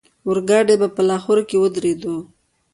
اورګاډی به په لاهور کې ودرېدو.